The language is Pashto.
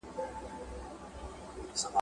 دا تیارې به رڼا کیږي ..